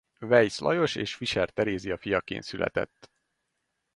Weisz Lajos és Fischer Terézia fiaként született.